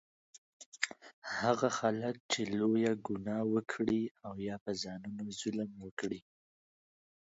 هغه خلک چې لویه ګناه وکړي او یا په ځانونو ظلم وکړي